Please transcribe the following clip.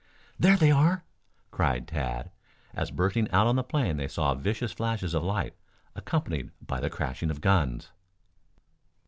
"There they are!" cried Tad, as bursting out on the plain they saw vicious flashes of light, accompanied by the crashing of guns.